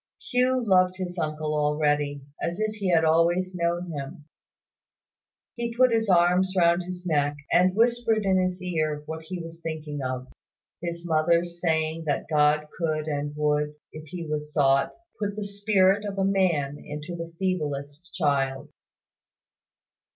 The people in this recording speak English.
Hugh loved his uncle already, as if he had always known him. He put his arms round his neck, and whispered in his ear what he was thinking of; his mother's saying that God could and would, if He was sought, put the spirit of a man into the feeblest child.